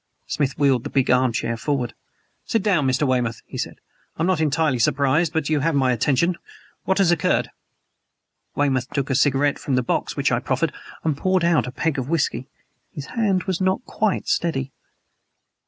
Smith wheeled the big arm chair forward. "Sit down, Mr. Weymouth," he said. "I am not entirely surprised. But you have my attention. What has occurred?" Weymouth took a cigarette from the box which I proffered and poured out a peg of whisky. His hand was not quite steady.